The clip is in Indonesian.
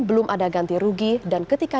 belum ada ganti rugi dan ketika